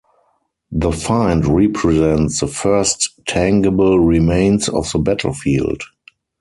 The find represents the first tangible remains of the battlefield.